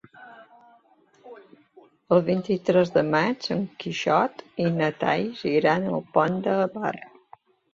El vint-i-tres de maig en Quixot i na Thaís iran al Pont de Bar.